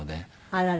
あらら。